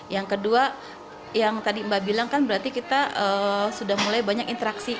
yang kedua yang tadi mbak bilang kan berarti kita sudah mulai banyak interaksi